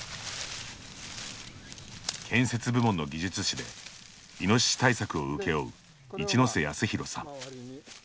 建設部門の技術士でイノシシ対策を請け負う一瀬泰啓さん。